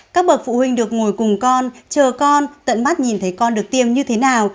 các bậc phụ huynh được ngồi cùng con chờ con tận mắt nhìn thấy con được tiêm như thế nào